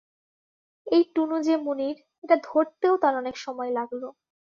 এই টুনু যে মুনির, এটা ধরতেও তাঁর অনেক সময় লাগল।